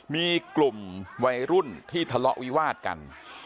มีกลุ่มวัยรุ่นที่ทะเลาะวิวาดกัน